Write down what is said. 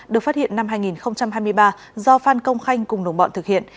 được phát hiện năm hai nghìn hai mươi ba do phan công khanh cùng đồng bọn thực hiện